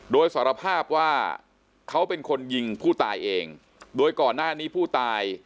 โดยสารภาพว่าเขาเป็นคนยิงผู้ตายเองโดยก่อนหน้านี้ผู้ตาย